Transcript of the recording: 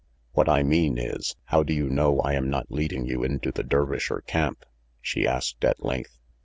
"What I mean is how do you know I am not leading you into the Dervisher camp?" she asked at length.